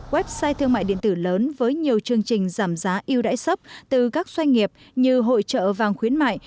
website thương mại điện tử lớn với nhiều chương trình giảm giá yêu đáy sấp từ các doanh nghiệp như hội trợ vàng khuyến mại